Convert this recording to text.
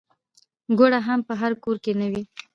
ګوړه هم په هر کور کې نه وه.